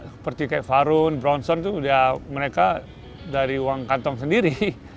seperti farun bronson mereka dari uang kantong sendiri